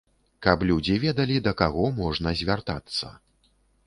Каб людзі ведалі, да каго можна звяртацца.